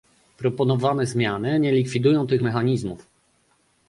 Proponowane zmiany nie likwidują tych mechanizmów